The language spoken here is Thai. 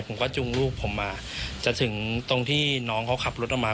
ผมก็จุงลูกผมมาจะถึงตรงที่น้องเขาขับรถออกมา